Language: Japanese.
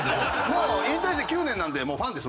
もう引退して９年なんでもうファンです